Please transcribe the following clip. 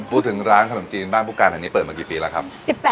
พูดถึงร้านขนมจีนบ้านผู้การแห่งนี้เปิดมากี่ปีแล้วครับ